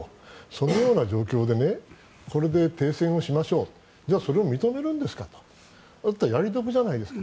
そのような状況でこれで停戦をしましょうじゃあ、それを認めるんですかだったらやり得じゃないですか。